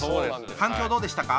反響どうでしたか？